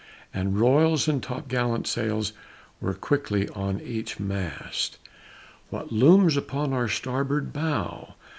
And royals and top gallant sails were quickly on each mast. What looms upon our starboard bow?